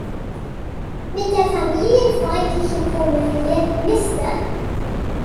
Mit der familienfreundlichen Komödie "Mr.